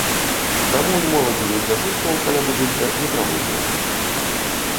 Таму і моладзевых дзяжурстваў каля будынка не праводзілася.